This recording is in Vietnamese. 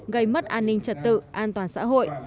gây mất an ninh trật tự an toàn xã hội